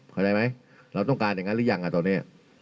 เข้าใจไหมเราต้องการอย่างนั้นหรือยังตอนนี้